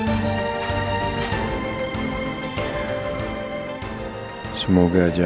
semoga janine gak masuk ruang kerja gue